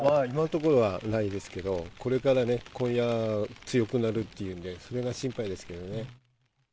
今のところはないですけど、これからね、今夜強くなるっていうんで、それが心配ですけどね。